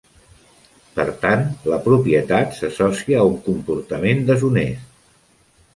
Per tant, la propietat s'associa a un comportament deshonest.